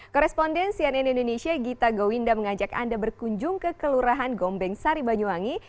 koresponden cnn indonesia gita gowinda mengajak anda berkunjung ke kelurahan gombeng sari banyuwangi